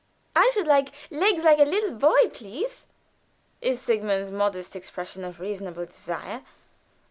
"I should like legs like a little boy, please," is Sigmund's modest expression of a reasonable desire.